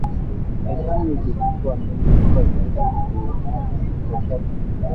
titanic ilikuwa meli kubwa zaidi kuwahi kutokea duniani